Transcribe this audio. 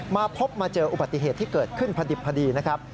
มาพบมาเจออุบัติเหตุที่เกิดขึ้นพอดิบพอดีนะครับ